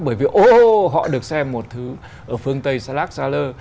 bởi vì oa họ được xem một thứ ở phương tây salak saler